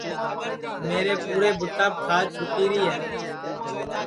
میرے پُورے بُوتاپ کھاج چُھٹیری ہے